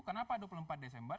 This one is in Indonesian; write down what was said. kenapa dua puluh empat desember